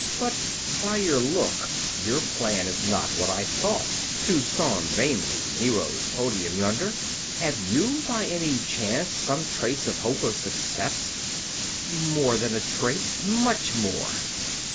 But by your look, your plan is not what I thought, to storm vainly Nero's podium yonder. Have you, by any chance, some trace of hope of success?" "More than a trace; much more."